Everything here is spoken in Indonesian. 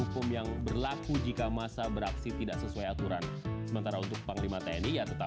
ketika berdasarkan nilai utama anda